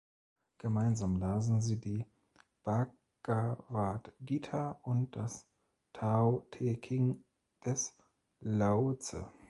Gemeinsam lasen sie die "Bhagavad Gita" und das "Tao Te King" des Laotse.